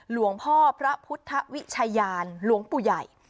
หลวงพ่อพระพุทธวิชายานหลวงปู่ใหญ่